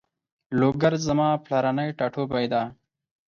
لوګر زما پلرنی ټاټوبی ده